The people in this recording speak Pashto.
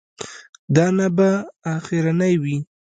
دا نه به اخرنی وي.